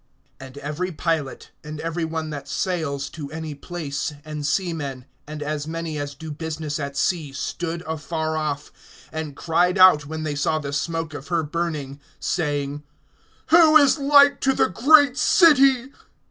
And every pilot, and every one that sails to any place, and seamen, and as many as do business at sea, stood afar off, (18)and cried out when they saw the smoke of her burning, saying: Who is like to the great city!